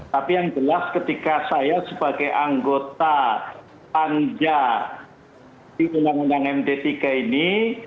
tapi yang jelas ketika saya sebagai anggota panja di undang undang md tiga ini